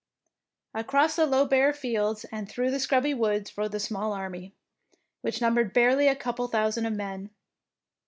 '' Across the low bare fields and through the scrubby woods rode the small army, which numbered barely a couple of thousand men.